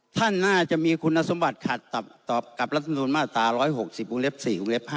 ท่านน่าจะมีคุณสมบัติขัดตอบกับรัฐมนุนมาตรา๑๖๐วงเล็บ๔วงเล็บ๕